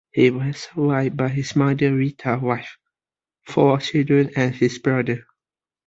He was survived by his mother Rita, wife Ros, four children and his brother.